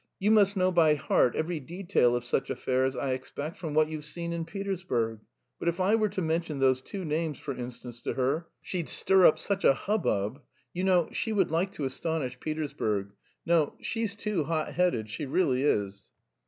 You must know by heart every detail of such affairs, I expect, from what you've seen in Petersburg. But if I were to mention those two names, for instance, to her, she'd stir up such a hubbub.... You know, she would like to astonish Petersburg. No, she's too hot headed, she really is."